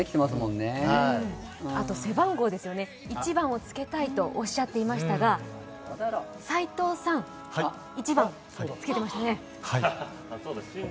背番号ですよね、１番をつけたいとおっしゃっていましたが、斎藤さん、１番つけてましたね？